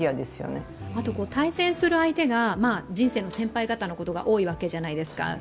対戦する相手が人生の先輩方が多いわけじゃないですか。